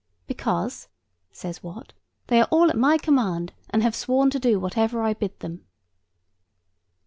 'Because,' says Wat, 'they are all at my command, and have sworn to do whatever I bid them.